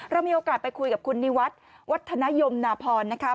เรามีโอกาสไปคุยกับคุณนิวัฒน์วัฒนยมนาพรนะคะ